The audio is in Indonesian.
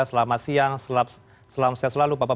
selamat siang selamat siang selalu pak pak